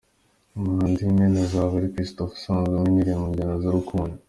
Umuhanzi w’imena azaba ari Christopher usanzwe umenyerwe mu njyana z’urukundo.